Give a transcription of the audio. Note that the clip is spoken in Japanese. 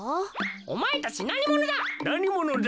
おまえたちなにものだ？